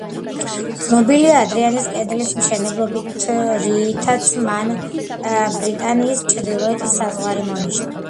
ცნობილია ადრიანეს კედლის მშენებლობით, რითაც მან ბრიტანიის ჩრდილოეთის საზღვარი მონიშნა.